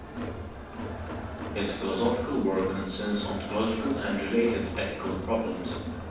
His philosophical work concerns ontological and related ethical problems.